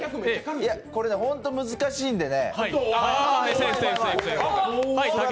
これホント難しいんでね。